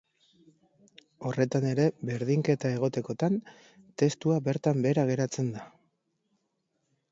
Horretan ere berdinketa egotekotan, testua bertan behera geratzen da.